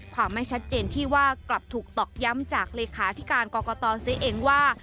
ความไม่ชัดเจนที่ว่ากลับถูกตอกย้ำจากเลขาธิการกรกตซะเองว่า